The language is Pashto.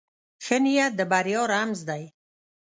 ښه نیت د بریا رمز دی.